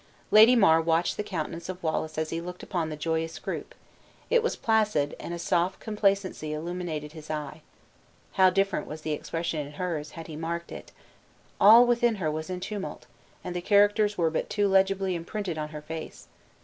Lady Mar watched the countenance of Wallace as he looked upon the joyous group; it was placid, and a soft complacency illumined his eye. How different was the expression in hers, had he marked it! All within her was in tumult, and the characters were but too legibly imprinted on her face.